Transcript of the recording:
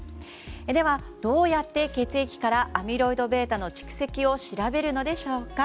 では、どうやって血液からアミロイドβの蓄積を調べるのでしょうか。